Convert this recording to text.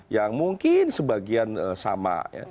yang mungkin sebagian sama